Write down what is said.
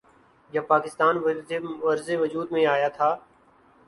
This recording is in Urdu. جب پاکستان معرض وجود میں آیا تھا۔